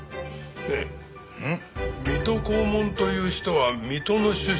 ねえ水戸黄門という人は水戸の出身ですよね？